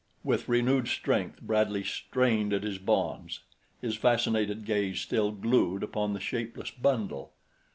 With renewed strength Bradley strained at his bonds, his fascinated gaze still glued upon the shapeless bundle.